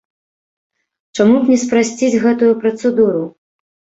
Чаму б не спрасціць гэтую працэдуру?